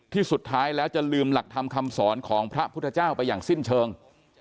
สุดท้ายแล้วจะลืมหลักธรรมคำสอนของพระพุทธเจ้าไปอย่างสิ้นเชิง